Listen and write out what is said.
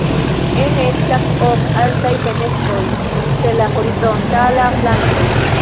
Ene estas ok altaj fenestroj ĉe la horizontalaj flankoj.